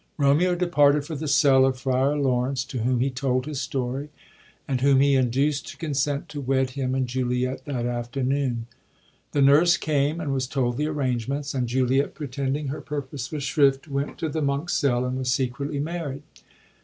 Bomeo departed for the cell of Friar Laurence, to whom he told his story, and whom he induced to consent to wed him and Juliet that after noon. The nurse came, and was told the arrangements ; and Juliet, pretending her purpose was shrift, went to the monk's cell and was secretly married.